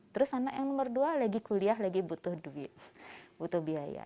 terus anak yang nomor dua lagi kuliah lagi butuh duit butuh biaya